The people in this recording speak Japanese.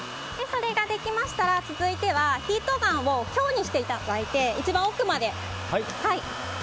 それができましたら続いてはヒートガンを強にしていただいて一番奥まで。